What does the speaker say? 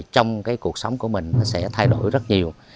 trong cái cuộc sống của mình nó sẽ thay đổi rất nhiều